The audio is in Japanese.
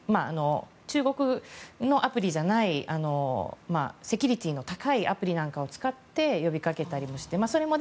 中国のアプリじゃないセキュリティーの高いアプリなんかを使って呼びかけたりもしています。